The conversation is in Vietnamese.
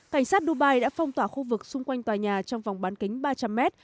cảnh sát dubai đã phong tỏa khu vực xung quanh tòa nhà trong vòng bán kính ba trăm linh m